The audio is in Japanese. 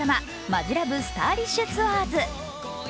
マジＬＯＶＥスターリッシュツアーズ」